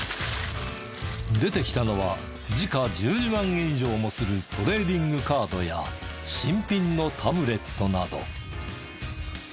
出てきたのは時価１２万円以上もするトレーディングカードや新品のタブレットなど。